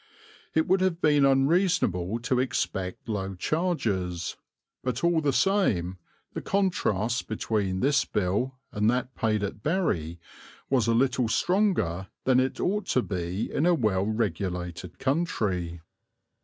It would have been unreasonable to expect low charges; but all the same, the contrast between this bill and that paid at Bury was a little stronger than it ought to be in a well regulated country.